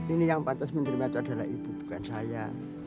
ini yang patut diterima itu adalah ibu bukan saya